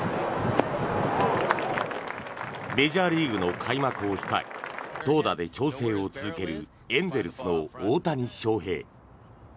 メジャーリーグの開幕を控え投打で調整を続けるエンゼルスの大谷翔平。